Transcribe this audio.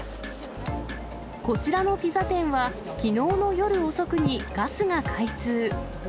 こちらのピザ店は、きのうの夜遅くにガスが開通。